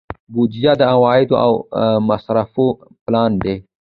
بودجه د عوایدو او مصارفو پلان دی